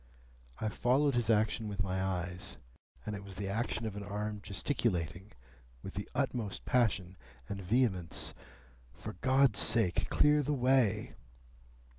I followed his action with my eyes, and it was the action of an arm gesticulating, with the utmost passion and vehemence, "For God's sake, clear the way!"